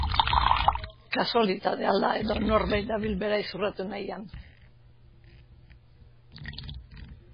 Kasualitatea al da edo norbait dabil bera izorratu nahian?